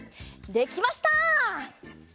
できました。